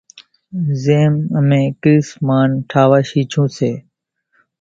زيم امين ڪريست مانَ ٺاۿوا شيڇون سي،